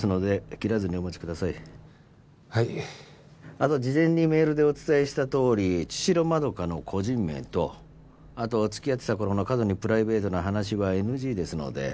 あと事前にメールでお伝えしたとおり茅代まどかの個人名とあと付き合ってた頃の過度にプライベートな話はＮＧですので。